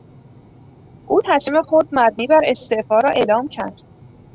او تصمیم خود مبنی بر استعفا را اعلام کرد.